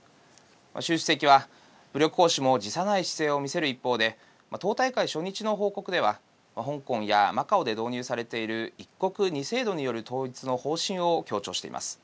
習主席は武力行使も辞さない姿勢を見せる一方で党大会初日の報告では香港やマカオで導入されている一国二制度による統一の方針を強調しています。